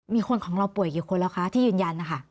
มีคนของเราป่วยกี่คนแล้วคะที่ยืนยันนะคะ